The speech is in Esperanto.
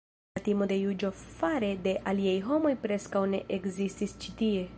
La timo de juĝo fare de aliaj homoj preskaŭ ne ekzistis ĉi tie.